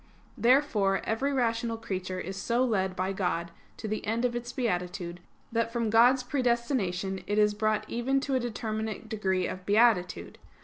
Therefore every rational creature is so led by God to the end of its beatitude, that from God's predestination it is brought even to a determinate degree of beatitude.